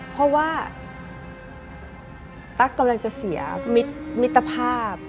เพราะว่าตั๊กกำลังจะเสียมิตรภาพ